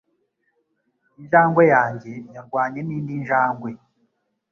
Injangwe yanjye yarwanye nindi njangwe.